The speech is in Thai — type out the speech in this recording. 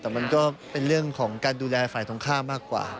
แต่มันก็เป็นเรื่องของการดูแลฝ่ายตรงข้ามมากกว่า